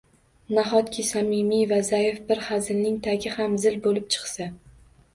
Nahotki, samimiy va zaif bir hazilning tagi ham zil bo’lib chiqsa?